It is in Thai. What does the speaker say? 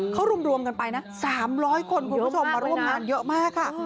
เขารวมกันไปนะ๓๐๐คนคุณผู้ชมมาร่วมงานเยอะมากค่ะ